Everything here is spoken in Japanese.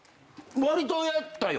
わりとやったよ。